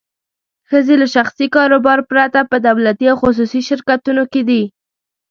ښځې له شخصي کاروبار پرته په دولتي او خصوصي شرکتونو کې دي.